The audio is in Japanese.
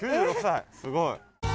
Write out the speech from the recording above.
すごい。